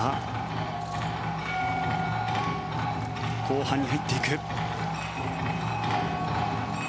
後半に入っていく。